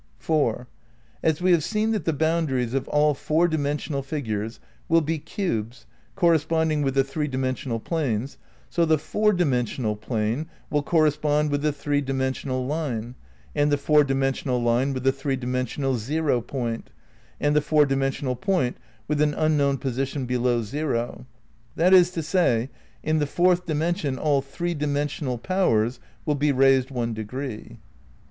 4. As we have seen that the boundaries of all four dimen sional figures will be cubes corresponding with the three dimensional planes, so the four dimensional plane will corre spond with the three dimensional line, and the four dimen sional line with the three dimensional zero point, and the four dimensional point with an unknown position below zero. That is to say, in the fourth dimension all three dimensional powers will be raised one degree.